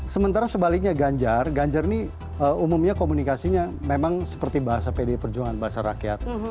sementara sebaliknya ganjar ganjar ini umumnya komunikasinya memang seperti bahasa pd perjuangan bahasa rakyat